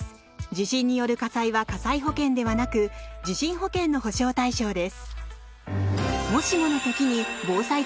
地震による火災は火災保険ではなく地震保険の補償対象です。